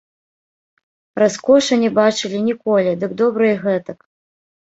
Раскошы не бачылі ніколі, дык добра і гэтак.